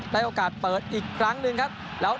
โอกาสเปิดอีกครั้งหนึ่งครับ